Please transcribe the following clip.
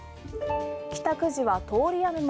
帰宅時は通り雨も。